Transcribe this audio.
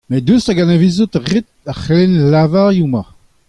Met daoust hag anavezout a rit ar cʼhrennlavarioù-mañ ?